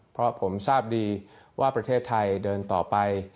เพราะผมทราบดีว่าประเทศไทยเดินต่อไป